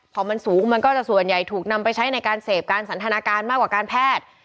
พอมันสูงมันก็จะส่วนใหญ่ถูกนำไปใช้ในการเสพการสันทนาการมากกว่าการแพทย์